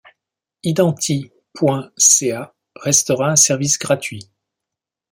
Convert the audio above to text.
Identi.ca restera un service gratuit.